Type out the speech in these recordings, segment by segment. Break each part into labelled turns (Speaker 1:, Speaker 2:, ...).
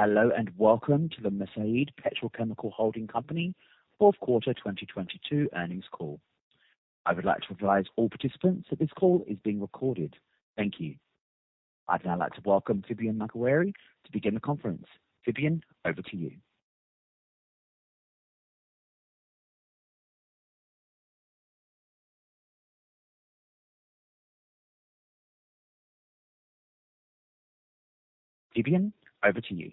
Speaker 1: Hello, welcome to the Mesaieed Petrochemical Holding Company fourth quarter 2022 earnings call. I would like to advise all participants that this call is being recorded. Thank you. I'd now like to welcome Vivian McElwain to begin the conference. Vivian, over to you. Vivian, over to you.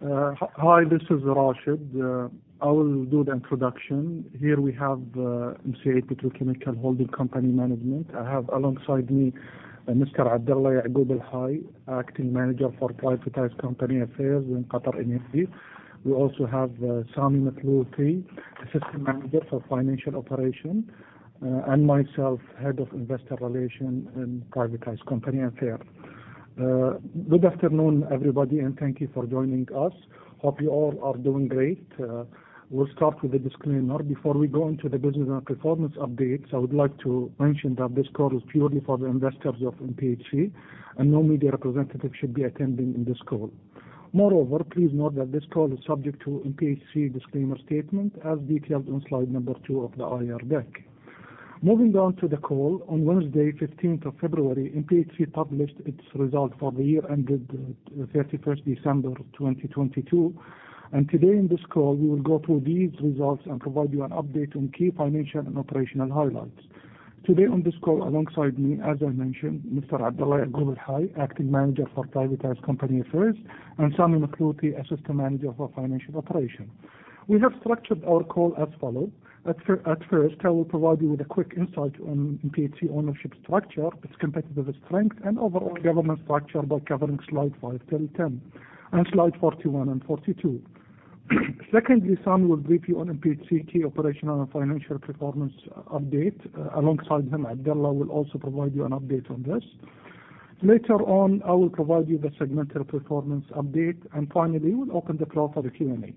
Speaker 2: Hi, this is Rashid. I will do the introduction. Here we have Mesaieed Petrochemical Holding Company management. I have alongside me, Mr. Abdulla Yaqoob Al-Hay, Acting Manager for Privatized Companies Affairs in QatarEnergy. We also have Sami Mathlouthi, Assistant Manager for Financial Operation, myself, Head of Investor Relations in Privatized Companies Affairs. Good afternoon, everybody, thank you for joining us. Hope you all are doing great. We'll start with the disclaimer. Before we go into the business performance updates, I would like to mention that this call is purely for the investors of MPHC, no media representatives should be attending this call. Moreover, please note that this call is subject to MPHC disclaimer statement as detailed on slide number two of the IR deck. Moving on to the call, on Wednesday, 15th of February, MPHC published its result for the year ended 31st December of 2022. Today in this call, we will go through these results and provide you an update on key financial and operational highlights. Today on this call, alongside me, as I mentioned, Mr. Abdulla Yaqoob Al-Hay, Acting Manager for Privatized Companies Affairs, Sami Mathlouthi, Assistant Manager for Financial Operation. We have structured our call as follows. At first, I will provide you with a quick insight on MPHC ownership structure, its competitive strength, overall governance structure by covering slides five till 10, slides 41 and 42. Secondly, Sami will brief you on MPHC key operational and financial performance update. Alongside him, Abdulla will also provide you an update on this. Later on, I will provide you the segmental performance update. Finally, we'll open the floor for the Q&A.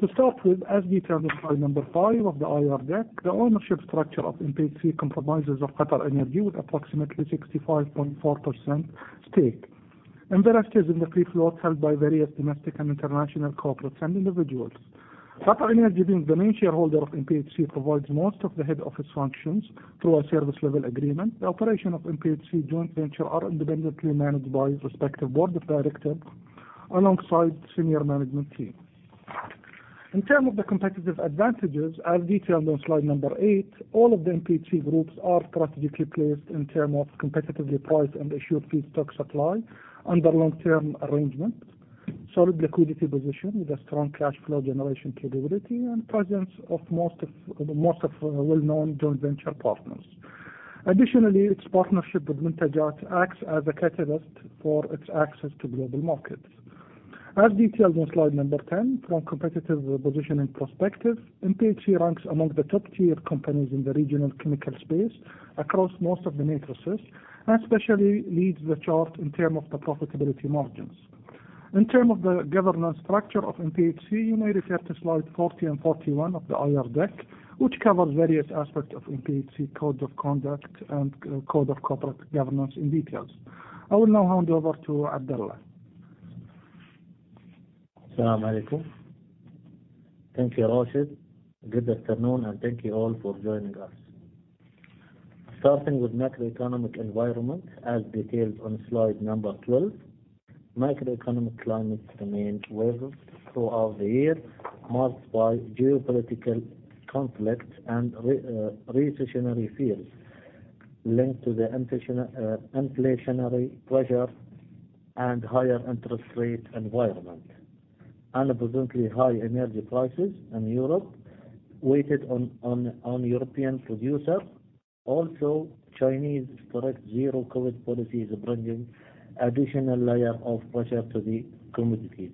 Speaker 2: To start with, as detailed in slide number five of the IR deck, the ownership structure of MPHC compromises of QatarEnergy with approximately 65.4% stake, the rest is in the free float held by various domestic and international corporates and individuals. QatarEnergy, being the main shareholder of MPHC, provides most of the head office functions through a service level agreement. The operation of MPHC joint venture are independently managed by respective board of director alongside senior management team. In term of the competitive advantages, as detailed on slide number eight, all of the MPHC groups are strategically placed in term of competitively priced and assured feedstock supply under long-term arrangement, solid liquidity position with a strong cash flow generation capability, presence of most of well-known joint venture partners. Additionally, its partnership with Muntajat acts as a catalyst for its access to global markets. As detailed on slide number 10, from competitive positioning perspective, MPHC ranks among the top-tier companies in the regional chemical space across most of the matrices, and especially leads the chart in term of the profitability margins. In term of the governance structure of MPHC, you may refer to slides 40 and 41 of the IR deck, which covers various aspects of MPHC code of conduct and code of corporate governance in details. I will now hand over to Abdulla.
Speaker 3: As-salamu alaykum. Thank you, Rashid. Good afternoon, and thank you all for joining us. Starting with macroeconomic environment, as detailed on slide number 12, macroeconomic climate remained weathered throughout the year, marked by geopolitical conflict and recessionary fears linked to the inflationary pressure and higher interest rate environment. Unabatedly high energy prices in Europe weighted on European producers. Chinese strict zero-COVID policy is bringing additional layer of pressure to the commodities.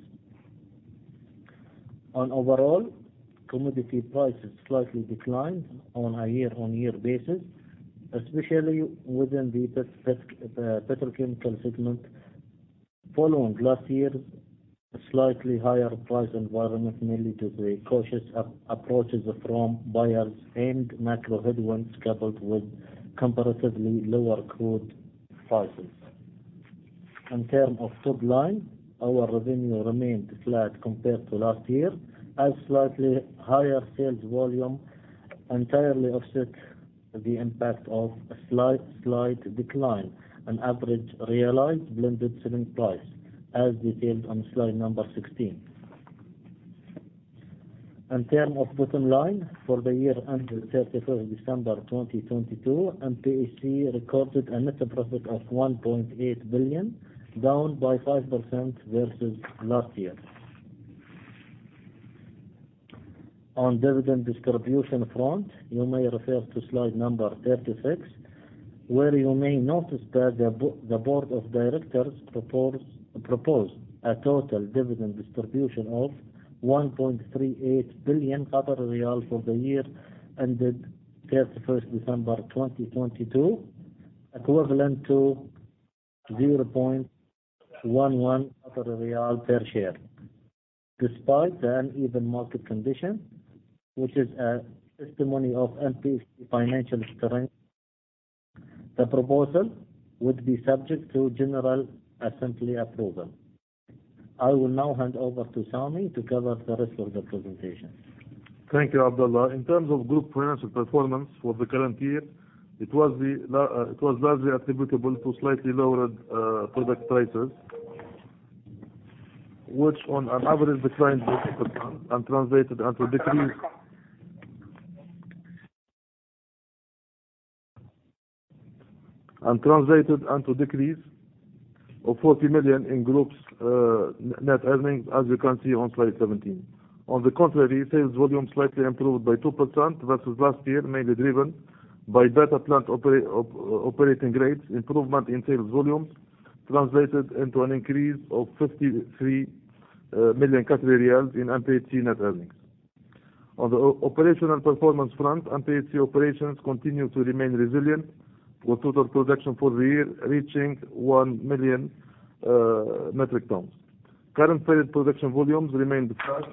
Speaker 3: Overall, commodity prices slightly declined on a year-on-year basis, especially within the petrochemical segment following last year's slightly higher price environment, mainly due to cautious approaches from buyers and macro headwinds coupled with comparatively lower crude prices. In term of top line, our revenue remained flat compared to last year, as slightly higher sales volume entirely offset the impact of a slight decline on average realized blended selling price, as detailed on slide number 16. In term of bottom line, for the year ended 31st December 2022, MPHC recorded a net profit of 1.8 billion, down by 5% versus last year. On dividend distribution front, you may refer to slide number 36, where you may notice that the board of directors proposed a total dividend distribution of 1.38 billion for the year ended 31st December 2022, equivalent to 0.11 per share. Despite the uneven market condition, which is a testimony of MPHC financial strength. The proposal would be subject to general assembly approval. I will now hand over to Sami to cover the rest of the presentation.
Speaker 4: Thank you, Abdullah. In terms of group financial performance for the current year, it was largely attributable to slightly lowered product prices, which on an average declined by 6% and translated into decrease of 40 million in group's net earnings, as you can see on slide 17. On the contrary, sales volume slightly improved by 2% versus last year, mainly driven by better plant operating rates. Improvement in sales volumes translated into an increase of 53 million Qatari riyals in MPHC net earnings. On the operational performance front, MPHC operations continue to remain resilient, with total production for the year reaching 1 million metric tons. Current period production volumes remained flat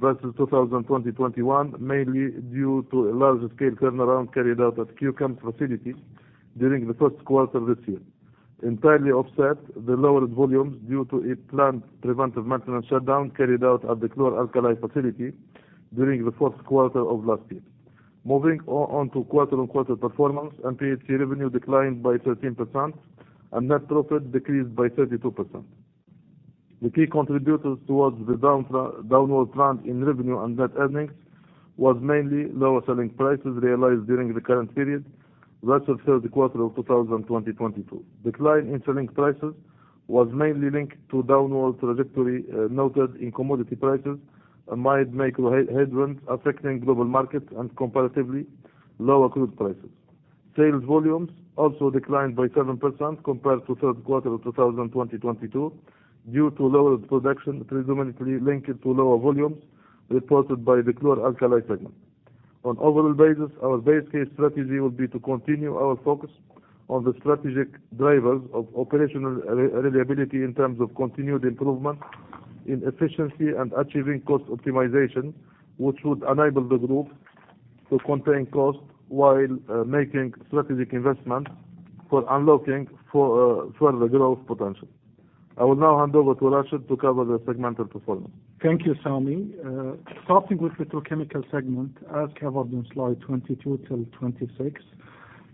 Speaker 4: versus 2021, mainly due to a large-scale turnaround carried out at Q-Chem facilities during the first quarter of this year. Entirely offset the lowered volumes due to a planned preventive maintenance shutdown carried out at the chlor-alkali facility during the fourth quarter of last year. Moving on to quarter-on-quarter performance, MPHC revenue declined by 13% and net profit decreased by 32%. The key contributors towards the downward trend in revenue and net earnings was mainly lower selling prices realized during the current period versus third quarter of 2022. Decline in selling prices was mainly linked to downward trajectory noted in commodity prices amid macro headwinds affecting global markets and comparatively lower crude prices. Sales volumes also declined by 7% compared to third quarter of 2022, due to lower production, presumably linked to lower volumes reported by the chlor-alkali segment. On overall basis, our base case strategy will be to continue our focus on the strategic drivers of operational reliability in terms of continued improvement in efficiency and achieving cost optimization, which would enable the group to contain costs while making strategic investments for unlocking further growth potential. I will now hand over to Rashid to cover the segmental performance.
Speaker 2: Thank you, Sami. Starting with petrochemical segment, as covered in slide 22 till 26.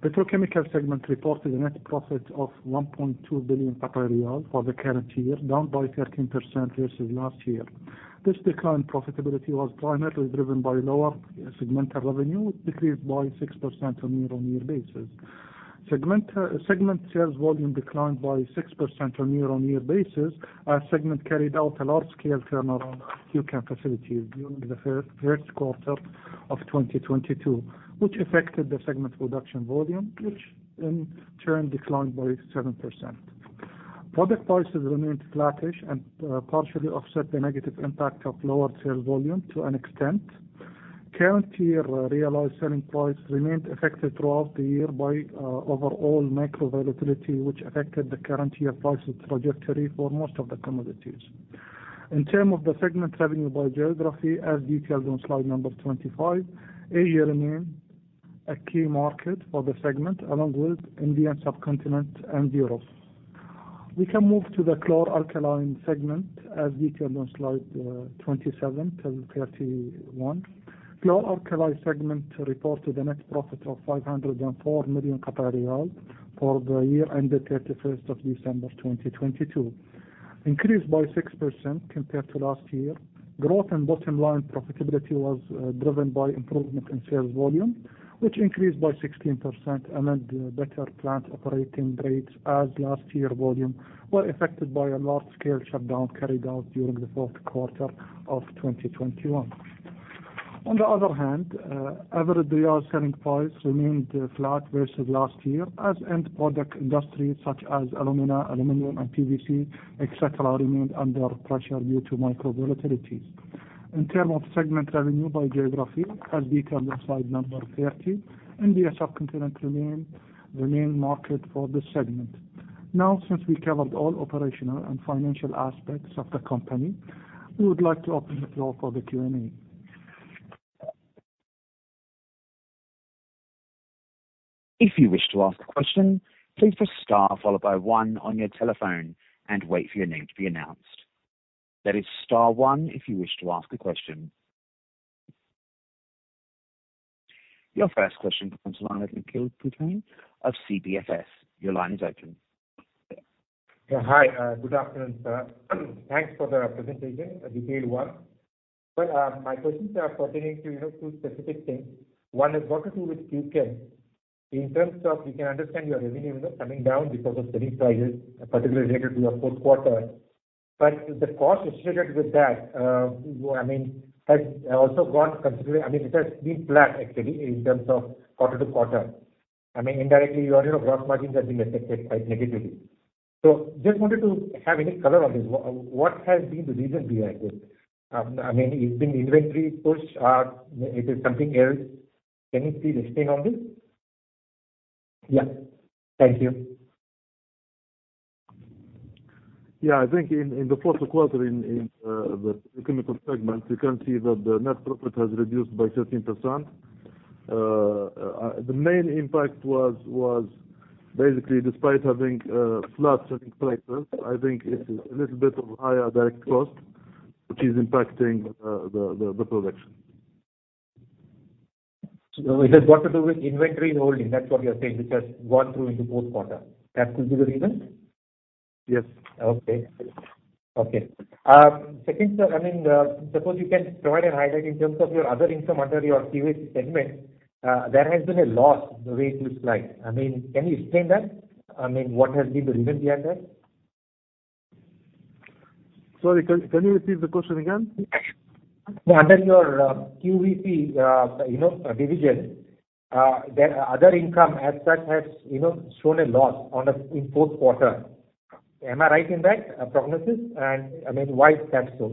Speaker 2: Petrochemical segment reported a net profit of 1.2 billion for the current year, down by 13% versus last year. This decline in profitability was primarily driven by lower segmental revenue, decreased by 6% on year-on-year basis. Segment sales volume declined by 6% on year-on-year basis, as segment carried out a large-scale turnaround at Q-Chem facilities during the first quarter of 2022, which affected the segment production volume, which in turn declined by 7%. Product prices remained flattish and partially offset the negative impact of lower sales volume to an extent. Current year realized selling price remained affected throughout the year by overall macro volatility, which affected the current year price trajectory for most of the commodities. In term of the segment revenue by geography, as detailed on slide number 25, Asia remain a key market for the segment, along with Indian subcontinent and Europe. We can move to the chlor-alkali segment as detailed on slide 27-31. Chlor-alkali segment reported a net profit of 504 million riyals for the year ended 31st of December 2022. Increased by 6% compared to last year. Growth and bottom line profitability was driven by improvement in sales volume, which increased by 16% amid better plant operating rates as last year volume were affected by a large-scale shutdown carried out during the fourth quarter of 2021. On the other hand, average QAR selling price remained flat versus last year, as end product industries such as alumina, aluminum, and PVC, et cetera, remained under pressure due to macro volatilities. In term of segment revenue by geography, as detailed on slide number 30, Indian subcontinent remain market for this segment. Since we covered all operational and financial aspects of the company, we would like to open the floor for the Q&A.
Speaker 1: If you wish to ask a question, please press star followed by one on your telephone and wait for your name to be announced. That is star one if you wish to ask a question. Your first question comes from Ankit Mehta of QCBFS. Your line is open.
Speaker 5: Yeah. Hi. Good afternoon, sir. Thanks for the presentation, a detailed one. My questions are pertaining to two specific things. One has got to do with Q-Chem. In terms of, we can understand your revenue is coming down because of selling prices, particularly related to your fourth quarter. The cost associated with that has also gone considerably. It has been flat, actually, in terms of quarter-to-quarter. Indirectly, your gross margins have been affected quite negatively. Just wanted to have any color on this. What has been the reason behind this? It's been inventory push or it is something else. Can you please explain on this? Yeah. Thank you.
Speaker 4: Yeah, I think in the fourth quarter, in the chemical segment, you can see that the net profit has reduced by 13%. The main impact was basically despite having floods in places, I think it's a little bit of higher direct cost, which is impacting the production.
Speaker 5: It has got to do with inventory holding, that's what you're saying, which has gone through into fourth quarter. That could be the reason?
Speaker 4: Yes.
Speaker 5: Okay. Second, suppose you can provide a highlight in terms of your other income under your QVC segment. There has been a loss the way it looks like. Can you explain that? What has been the reason behind that?
Speaker 4: Sorry, can you repeat the question again?
Speaker 5: Under your QVC division, the other income as such has shown a loss in fourth quarter. Am I right in that prognosis? Why is that so,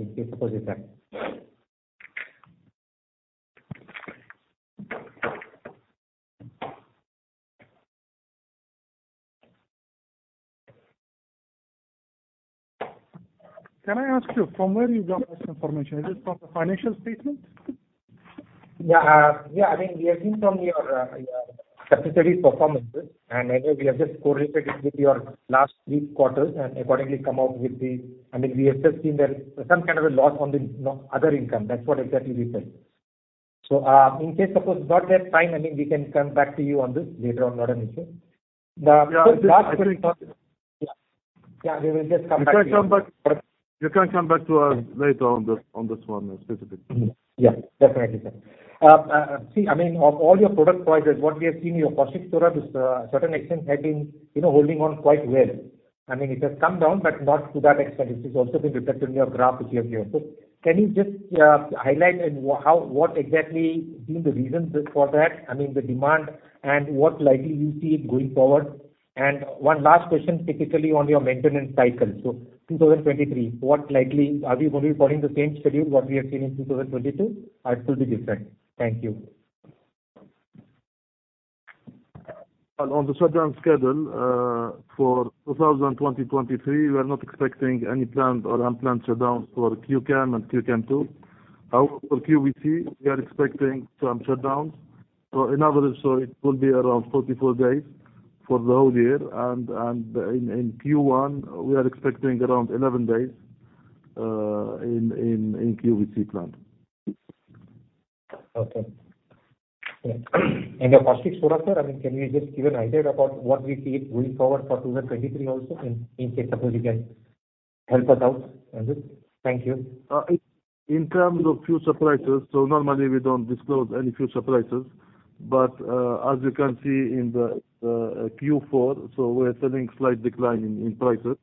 Speaker 5: if it was that?
Speaker 4: Can I ask you, from where you got this information? Is it from the financial statement?
Speaker 5: We have seen from your statutory performances, anyway, we have just correlated with your last three quarters and accordingly come out with We have just seen that some kind of a loss on the other income. That's what exactly we felt. In case, suppose you are not yet fine, we can come back to you on this later on, not an issue. The last question.
Speaker 4: I think.
Speaker 5: We will just come back to you.
Speaker 4: You can come back to us later on this one specifically.
Speaker 5: Definitely, sir. Of all your product prices, what we have seen, your caustic soda to a certain extent had been holding on quite well. It has come down, but not to that extent. It is also been reflected in your graph, which you have here. Can you just highlight and what exactly been the reasons for that, the demand, and what likely you see it going forward? One last question, typically on your maintenance cycle. 2023, what likely, are we going to be following the same schedule what we have seen in 2022 or it will be different? Thank you.
Speaker 4: On the shutdown schedule, for 2023, we are not expecting any planned or unplanned shutdowns for Q-Chem and Q-Chem II. However, for QVC, we are expecting some shutdowns. In other words, it will be around 44 days for the whole year. In Q1, we are expecting around 11 days in QVC plant.
Speaker 5: Okay. Your caustic soda, sir, can you just give an idea about what we see it going forward for 2023 also? In case, suppose you can help us out on this. Thank you.
Speaker 4: In terms of future prices, normally we don't disclose any future prices. As you can see in the Q4, we're seeing slight decline in prices.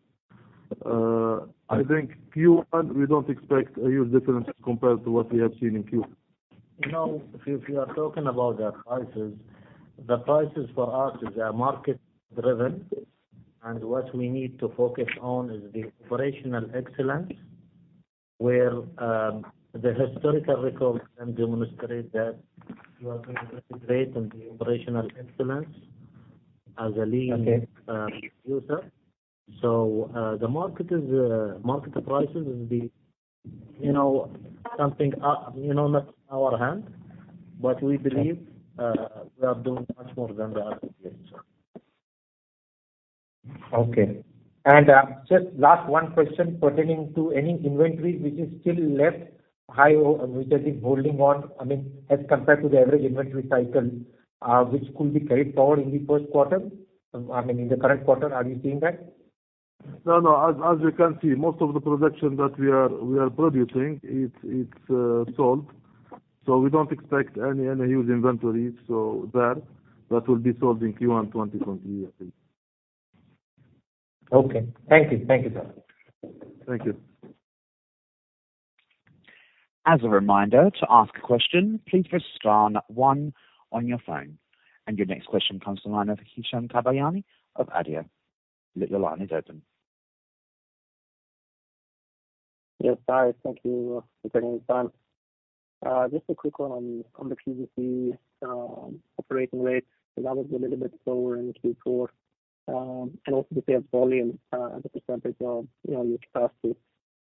Speaker 4: I think Q1, we don't expect a huge difference compared to what we have seen in Q4.
Speaker 3: Now, if you are talking about the prices, the prices for us is market-driven. What we need to focus on is the operational excellence, where the historical records can demonstrate that we are doing very great in the operational excellence as a lean user.
Speaker 5: Okay.
Speaker 3: The market prices will be something not in our hand, we believe we are doing much more than the other years, sir.
Speaker 5: Okay. Just last one question pertaining to any inventory which is still left high or which has been holding on, as compared to the average inventory cycle, which could be carried forward in the first quarter, in the current quarter. Are you seeing that?
Speaker 4: No. As you can see, most of the production that we are producing, it's sold. We don't expect any huge inventory. That will be sold in Q1 2023, I think.
Speaker 5: Okay. Thank you, sir.
Speaker 4: Thank you.
Speaker 1: As a reminder, to ask a question, please press star one on your phone. Your next question comes from the line of Hisham Kabayani of Adya. Your line is open.
Speaker 6: Yes. Hi, thank you for taking the time. Just a quick one on the QVC operating rate, because that was a little bit slower in Q4. Also the sales volume as a percentage of your capacity.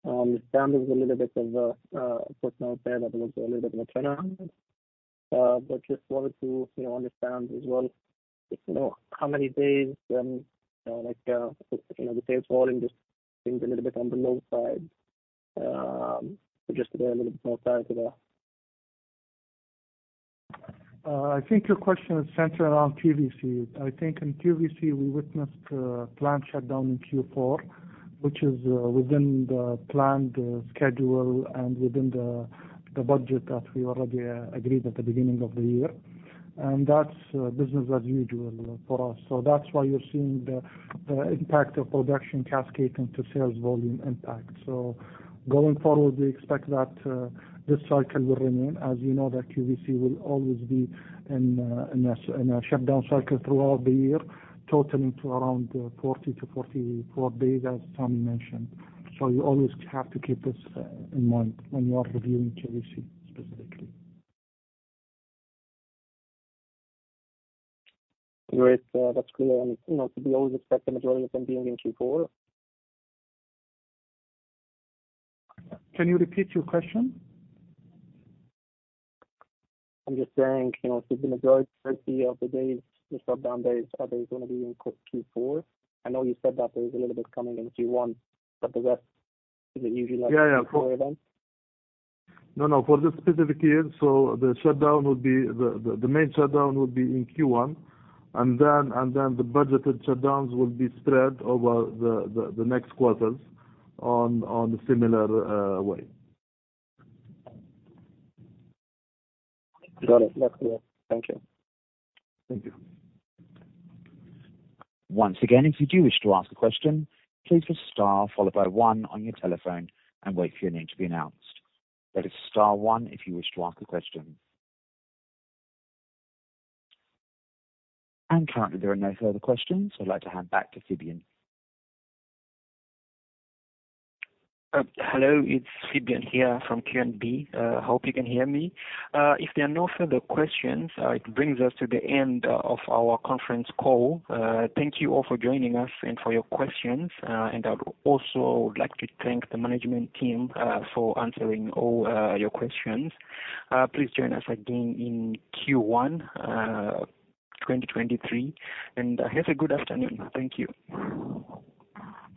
Speaker 6: This time there was a little bit of a personal affair that was a little bit of a turnaround. Just wanted to understand as well, how many days, like the sales volume just seems a little bit on the low side. Just to get a little bit more clarity there.
Speaker 4: I think your question is centered around QVC. I think in QVC, we witnessed a plant shutdown in Q4, which is within the planned schedule and within the
Speaker 2: The budget that we already agreed at the beginning of the year. That's business as usual for us. That's why you're seeing the impact of production cascading to sales volume impact. Going forward, we expect that this cycle will remain. As you know, that QVC will always be in a shutdown cycle throughout the year, totaling to around 40 to 44 days, as Sami mentioned. You always have to keep this in mind when you are reviewing QVC specifically.
Speaker 6: Great. That's clear. Could we always expect the majority of them being in Q4?
Speaker 2: Can you repeat your question?
Speaker 6: I'm just saying, if the majority of the days, the shutdown days, are they going to be in Q4? I know you said that there's a little bit coming in Q1, the rest is usually left to Q4 then?
Speaker 2: No, no, for this specific year, the main shutdown would be in Q1, the budgeted shutdowns will be spread over the next quarters on a similar way.
Speaker 6: Got it. That's clear. Thank you.
Speaker 2: Thank you.
Speaker 1: Once again, if you do wish to ask a question, please press star followed by one on your telephone and wait for your name to be announced. That is star one if you wish to ask a question. Currently there are no further questions. I'd like to hand back to Phibion.
Speaker 7: Hello, it's Phibion here from QNB. Hope you can hear me. If there are no further questions, it brings us to the end of our conference call. Thank you all for joining us and for your questions. I would also like to thank the management team for answering all your questions. Please join us again in Q1 2023 and have a good afternoon. Thank you.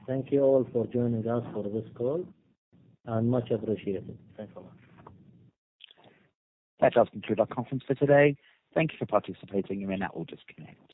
Speaker 2: Thank you all for joining us for this call. Much appreciated. Thanks a lot.
Speaker 1: That does conclude our conference for today. Thank you for participating. You may now all disconnect.